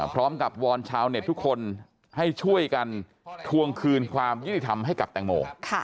วอนชาวเน็ตทุกคนให้ช่วยกันทวงคืนความยุติธรรมให้กับแตงโม